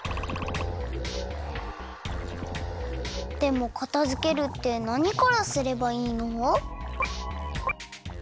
でもかたづけるってなにからすればいいの？